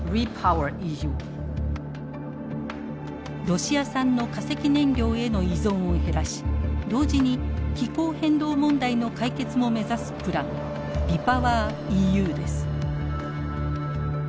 ロシア産の化石燃料への依存を減らし同時に気候変動問題の解決も目指すプランＲＥＰｏｗｅｒＥＵです。